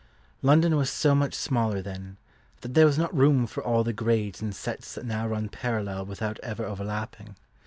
London was so much smaller then, that there was not room for all the grades and sets that now run parallel without ever overlapping.